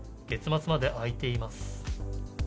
月末まで空いています。